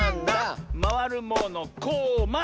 「まわるものこま！」